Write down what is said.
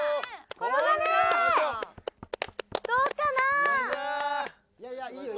どうかな？